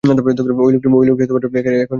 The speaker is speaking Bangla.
ঐ লোকটি এখন উঠে দাঁড়িয়েছে।